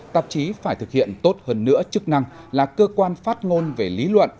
tạp chí phải thực hiện tốt hơn nữa chức năng là cơ quan phát ngôn về lý luận